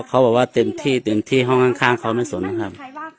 เขาบอกว่าเต็มที่เต็มที่ห้องข้างเขาไม่สนนะครับ